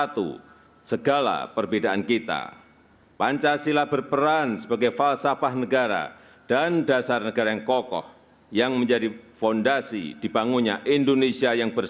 tanda kebesaran buka hormat senjata